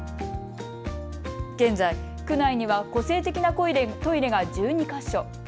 現在、区内には個性的なトイレが１２か所。